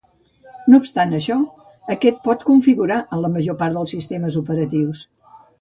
No obstant això, aquest pot configurar en la major part dels sistemes operatius.